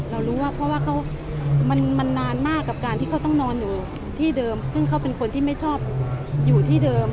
เรารู้ว่าเพราะว่ามันนานมากกับการที่เขาต้องนอนอยู่ที่เดิมซึ่งเขาเป็นคนที่ไม่ชอบอยู่ที่เดิม